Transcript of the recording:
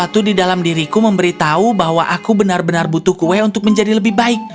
tapi sesuatu di dalam diriku memberi tahu bahwa aku benar benar butuh kue untuk menjadi lebih baik